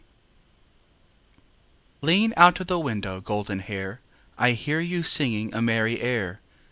V Lean out of the window, Goldenhair, I hear you singing A merry air.